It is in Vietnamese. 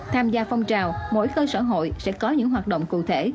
tham gia phong trào mỗi cơ sở hội sẽ có những hoạt động cụ thể